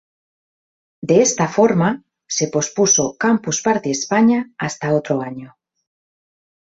De esta forma, se pospuso Campus Party España hasta otro año.